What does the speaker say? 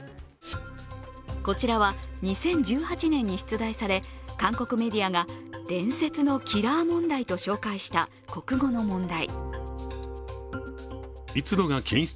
こちらは２０１８年に出題され韓国メディアが伝説のキラー問題と紹介した国語の問題。